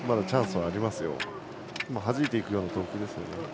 はじいていくような投球ですね。